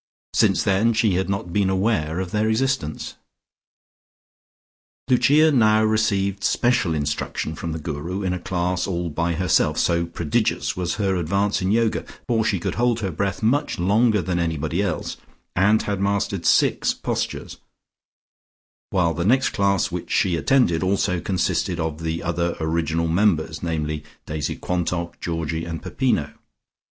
Since then she had not been aware of their existence. Lucia now received special instruction from the Guru in a class all by herself so prodigious was her advance in Yoga, for she could hold her breath much longer than anybody else, and had mastered six postures, while the next class which she attended also consisted of the other original members, namely Daisy Quantock, Georgie and Peppino.